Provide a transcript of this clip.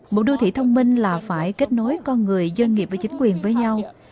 một đô thị thông minh là phải kết nối con người doanh nghiệp và chính quyền với nhau